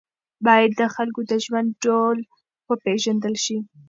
باید د خلکو د ژوند ډول وپېژندل شي.